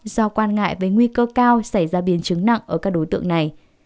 do quan ngại với nguy cơ cao xảy ra biến chứng nặng ở các đối tượng này